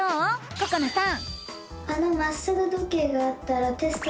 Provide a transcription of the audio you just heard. ここなさん！